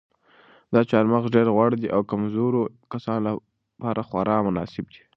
دا چهارمغز ډېر غوړ دي او د کمزورو کسانو لپاره خورا مناسب دي.